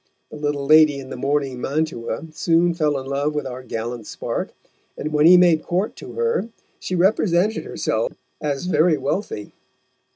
The little lady in the mourning mantua soon fell in love with our gallant spark, and when he made court to her, she represented herself as very wealthy.